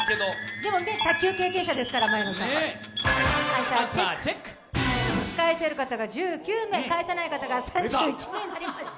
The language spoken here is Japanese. でもね、卓球経験者ですから前野さんは。アンサーチェック、打ち返せる方が１９名、返せない方が３１名になりました。